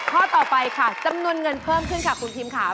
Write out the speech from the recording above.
ข้อต่อไปค่ะจำนวนเงินเพิ่มขึ้นค่ะคุณทีมข่าว